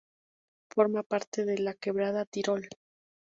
Forma parte de la quebrada Tirol.